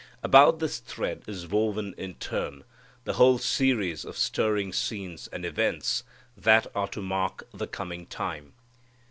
About this thread is woven in turn the whole series of stirring scenes and events that are to mark the coming time.